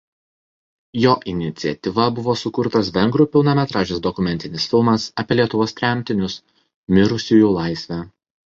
Jo iniciatyva buvo sukurtas vengrų pilnametražis dokumentinis filmas apie Lietuvos tremtinius „Mirusiųjų laisvė“.